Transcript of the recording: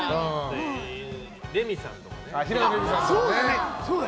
レミさんとかね。